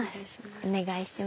お願いします。